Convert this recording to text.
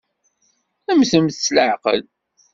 Mmtemt s leɛqel!